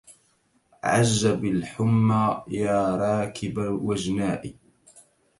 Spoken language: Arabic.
عج بالحمى يا راكب الوجناء